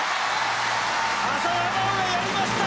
浅田真央がやりました！